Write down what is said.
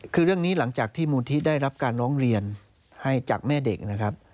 คือเรื่องนี้หลังจากที่มูลที่ได้รับการร้องเรียนให้จากแม่เด็กนะครับ